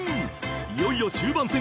［いよいよ終盤戦。